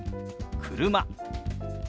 「車」。